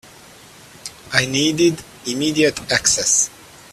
I needed immediate access.